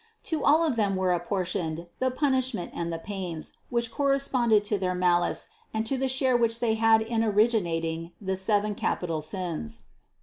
To all of them were apportioned the punishment and the pains, which corresponded to their malice and to the share which they had in origi nating the seven capital sins.